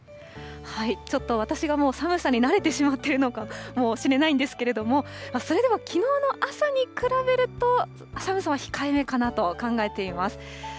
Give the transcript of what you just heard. ちょっと私がもう寒さに慣れてしまっているのかもしれないんですけれども、それでもきのうの朝に比べると、寒さは控えめかなと考えています。